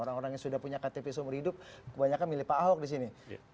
orang orang yang sudah punya ktp seumur hidup kebanyakan milih pak ahok di sini